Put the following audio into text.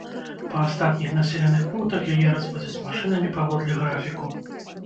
Па астатніх населеных пунктах яе развозяць машынамі паводле графіку.